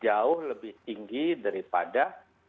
jauh lebih tinggi daripada kondisi kasus aktif di indonesia